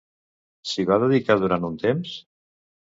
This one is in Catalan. S'hi va dedicar durant un temps?